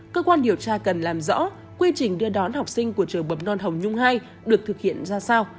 cơ quan điều tra cần làm rõ quy trình đưa đón học sinh của trường bẩm non hồng nhung hai được thực hiện ra sao